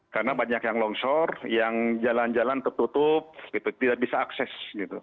karena banyak yang longshore yang jalan jalan tertutup tidak bisa akses